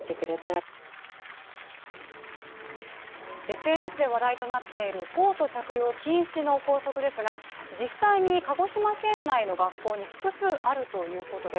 ＳＮＳで話題となっているコート着用禁止の校則ですが実際に鹿児島県内の学校に複数あるということです。